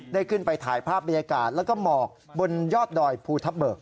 ได้ขึ้นไปถ่ายภาพบรรยากาศแล้วก็หมอกบนยอดดอยภูทับเบิก